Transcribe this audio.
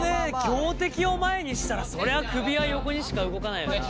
強敵を前にしたらそりゃ首は横にしか動かないな。